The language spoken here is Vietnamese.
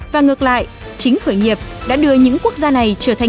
và ngược lại chính khởi nghiệp đã đưa những quốc gia này trở thành